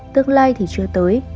tương lai thì chưa tới